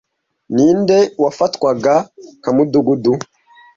Ninde wafatwaga nka mudugudu